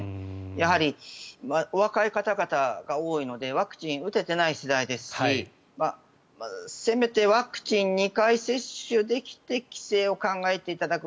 やはりお若い方々が多いのでワクチンを打ててない世代ですしせめてワクチン２回接種できて帰省を考えていただく。